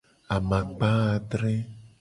Amakpa adre.